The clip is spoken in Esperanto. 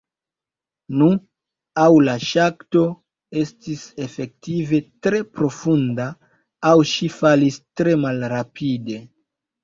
Nu, aŭ la ŝakto estis efektive tre profunda, aŭ ŝi falis tre malrapide.